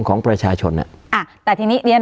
การแสดงความคิดเห็น